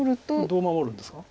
どう守るんですか？